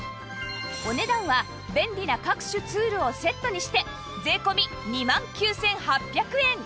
お値段は便利な各種ツールをセットにして税込２万９８００円